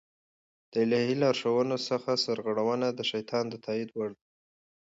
د الهي لارښوونو څخه سرغړونه د شيطان د تائيد وړ ده